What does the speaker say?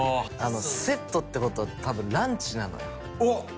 セットってことは多分ランチなのよ。